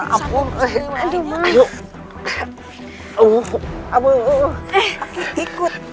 aduh aduh aduh